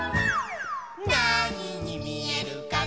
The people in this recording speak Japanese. なににみえるかな